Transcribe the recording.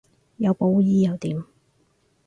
有保護衣又點